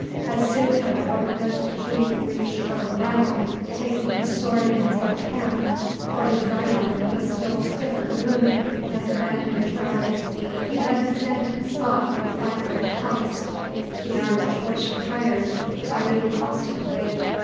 As soon, however, as the king reached firm ground, taking his sword in his left hand for his right arm was still stiff with a wound and the bandage round it he led his men to the spot where the fight was the hottest. The Irish horse retired, fighting obstinately.